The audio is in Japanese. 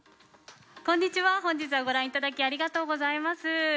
こんにちは本日はごらんいただき、ありがとうございます。